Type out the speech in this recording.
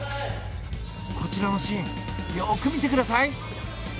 こちらのシーンよく見てください。